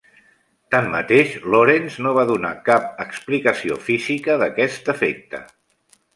Tanmateix, Lorentz no va donar cap explicació física d'aquest efecte.